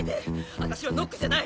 私はノックじゃない。